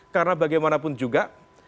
karena bagaimanapun juga